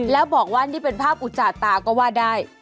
แล้วบอกว่านี่เป็นภาพอุจจาตาก็ว่าได้